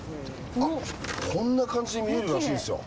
こんな感じに見えるらしいんですよ。